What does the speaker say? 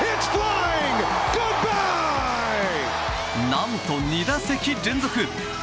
何と２打席連続！